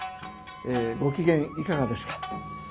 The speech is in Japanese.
ご機嫌いかがですか。